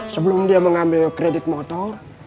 sebelum dia mengambil kredit motor